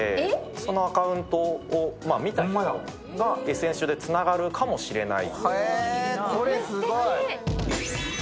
そのアカウントを見た人がＳＮＳでつながるかもしれない。